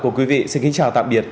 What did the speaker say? của quý vị xin kính chào tạm biệt